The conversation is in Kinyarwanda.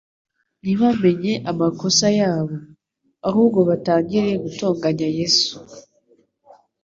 ntibamenye amakosa yabo, ahubwo batangira gutonganya Yesu.